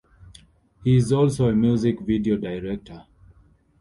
He is also a music video director.